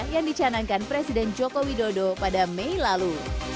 yang dicanangkan presiden joko widodo pada mei lalu